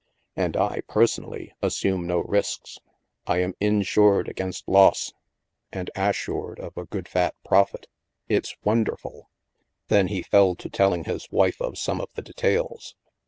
And I, personally, assume no risks. I am insured against loss, and assured of a good fat profit. It's wonderful." Then he fell to telling his wife of some of the details.